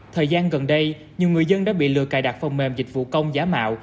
thời gian gần đây nhiều người dân đã bị lừa cài đặt phần mềm dịch vụ công giá mạo